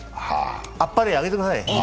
あっぱれあげてください。